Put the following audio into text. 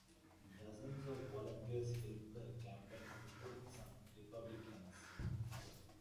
Dozens of volunteers helped her campaign, including some Republicans.